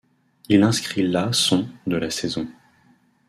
Il inscrit là son de la saison.